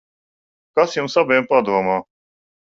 Kas jums abiem padomā?